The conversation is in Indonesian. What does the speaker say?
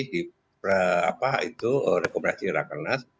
di rekomendasi rakernas